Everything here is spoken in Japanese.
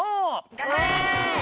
頑張れ。